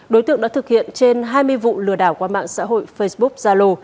đối tượng đã thực hiện trên hai mươi vụ lừa đảo qua mạng xã hội facebook zalo